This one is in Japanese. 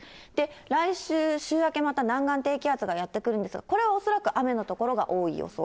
来週、週明け、また南岸低気圧がやって来るんですが、これは恐らく雨の所が多い予想。